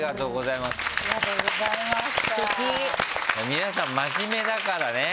皆さん真面目だからね。